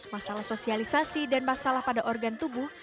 masalah sosialisasi dan masalah pada organ tubuh